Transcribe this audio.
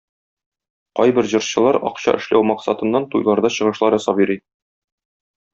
Кайбер җырчылар акча эшләү максатыннан туйларда чыгышлар ясап йөри.